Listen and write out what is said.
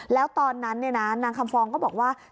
แล้วตอนนั้นนางคำฟองก็บอกว่า